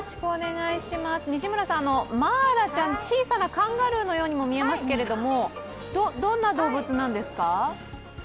マーラちゃん、小さなカンガルーのようにも見えますけどどんな動物なんですか？